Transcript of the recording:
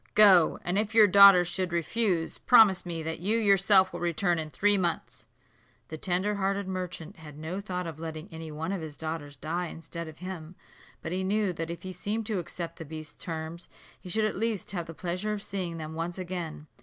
Go; and if your daughters should refuse, promise me that you yourself will return in three months." The tender hearted merchant had no thought of letting any one of his daughters die instead of him; but he knew that if he seemed to accept the beast's terms, he should at least have the pleasure of seeing them once again.